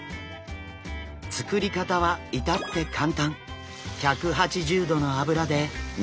作り方は至って簡単。